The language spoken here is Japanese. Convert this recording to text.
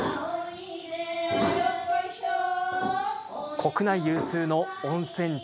国内有数の温泉地